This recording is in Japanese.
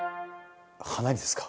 花にですか？